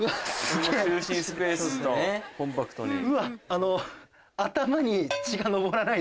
コンパクトに。